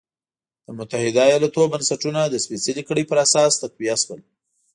د متحده ایالتونو بنسټونه د سپېڅلې کړۍ پر اساس تقویه شول.